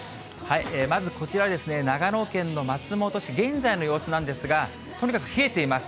まずこちらですね、長野県の松本市、現在の様子なんですが、とにかく冷えています。